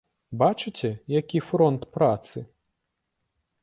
Бачыце, які фронт працы?